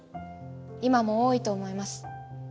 今も多いと思います。